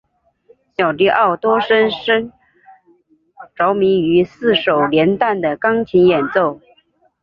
小狄奥多深深着迷于四手联弹的钢琴演奏。